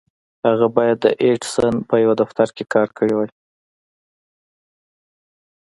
هغه بايد د ايډېسن په يوه دفتر کې کار کړی وای.